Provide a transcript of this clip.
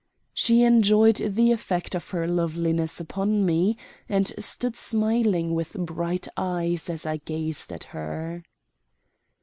She enjoyed the effect of her loveliness upon me, and stood smiling with bright eyes as I gazed at her.